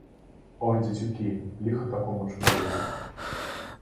О, дзецюкі, ліха такому чалавеку!